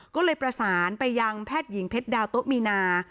ก็เลยประสานไปยังแพทย์หญิงเพชรดาวโต๊ะมีนา